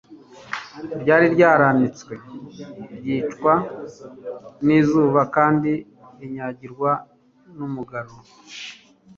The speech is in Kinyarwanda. Ryari ryaranitswe, ryicwa n'izuba kandi rinyagirwa n'umugaru,